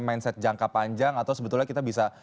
mindset jangka panjang atau sebetulnya kita bisa